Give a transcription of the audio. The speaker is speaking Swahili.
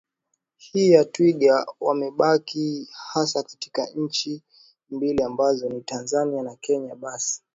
hii ya twiga wamebaki hasa katika nchi mbili ambazo ni Tanzania na Kenya basi